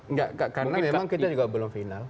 enggak karena memang kita juga belum final